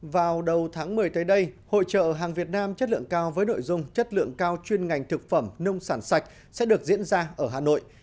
vào đầu tháng một mươi tới đây hội trợ hàng việt nam chất lượng cao với nội dung chất lượng cao chuyên ngành thực phẩm nông sản sạch sẽ được diễn ra ở hà nội